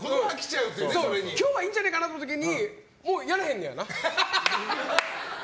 今日はいいんじゃねえかなって思った時にもうやらへんのやな？